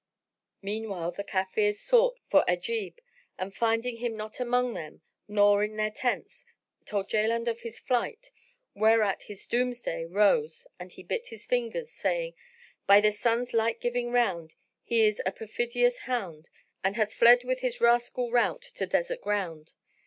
Meanwhile the Kafirs sought for Ajib and finding him not among them nor in their tents, told Jaland of his flight, whereat his Doomsday rose and he bit his fingers, saying, "By the Sun's light giving round, he is a perfidious hound and hath fled with his rascal rout to desert ground.